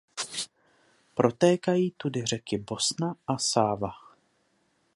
Protékají tudy řeky Bosna a Sáva.